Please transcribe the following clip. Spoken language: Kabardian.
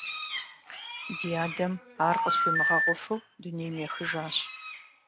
Ди адэм ар къысхуимыгъэгъуфу дунейм ехыжащ.